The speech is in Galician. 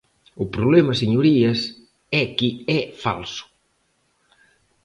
O problema, señorías, é que é falso.